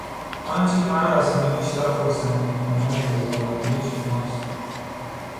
آنچه مرا از همه بیشتر خرسند میکند رضامندی شماست.